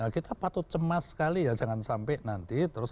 kita patut cemas sekali ya jangan sampai nanti terus